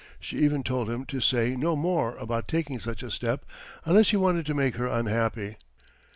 She even told him to say no more about taking such a step unless he wanted to make her unhappy.